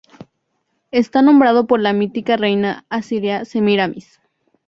Está nombrado por la mítica reina asiria Semíramis.